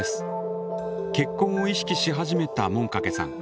結婚を意識し始めたもんかけさん。